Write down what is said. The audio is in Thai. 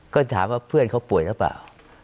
ก็ถามว่าเพื่อนเขาป่วยหรือเปล่า